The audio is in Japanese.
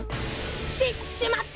ししまった！